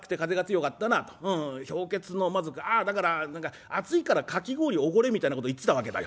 『氷結の魔族』ああだから暑いからかき氷おごれみたいなこと言ってたわけだよ。